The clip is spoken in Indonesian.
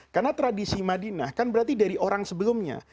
karena tradisi madinah kan berarti dari orang sebelumnya